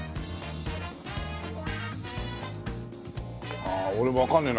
ああ俺わかんねえな。